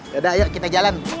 yaudah kita jalan